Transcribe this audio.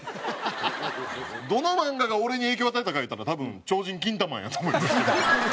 どの漫画が俺に影響与えたか言うたら多分『超人キンタマン』やと思います。